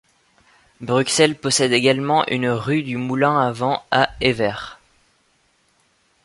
Bruxelles possède également une rue du Moulin à Vent à Evere.